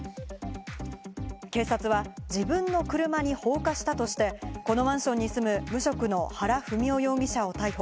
警察は自分の車に放火したとして、このマンションに住む無職の原文雄容疑者を逮捕。